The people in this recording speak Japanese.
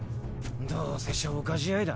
どうせ消化試合だ。